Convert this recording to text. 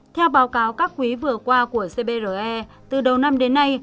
theo báo cáo các quý vừa qua của cbre từ đầu năm đến nay